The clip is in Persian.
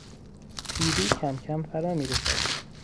پیری کمکم فرا میرسد.